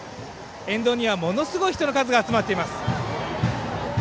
沿道にはものすごい人の数が集まっています。